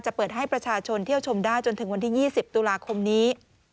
เปิดให้ประชาชนเที่ยวชมได้จนถึงวันที่๒๐ตุลาคมนี้